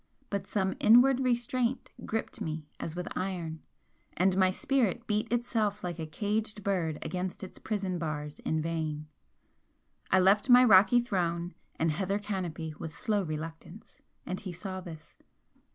But some inward restraint gripped me as with iron and my spirit beat itself like a caged bird against its prison bars in vain. I left my rocky throne and heather canopy with slow reluctance, and he saw this.